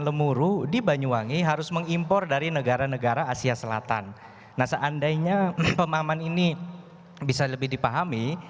lemuru di banyuwangi harus mengimpor dari negara negara asia selatan nah seandainya pemahaman ini bisa lebih dipahami